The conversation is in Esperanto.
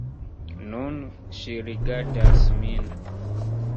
Nun, ŝi rigardas min.